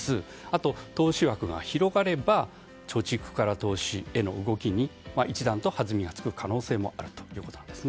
あと、投資枠が広がれば貯蓄から投資への動きに一段と弾みがつく可能性もあるということです。